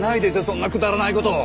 そんなくだらない事！